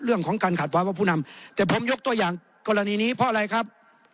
เรื่องของการขัดวาระผู้นำแต่ผมยกตัวอย่างกรณีนี้เพราะอะไรครับ